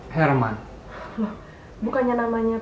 pak susudarman itu sebenarnya nama ayah saya